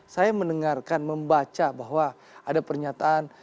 saya mendengarkan membaca bahwa ada pernyataan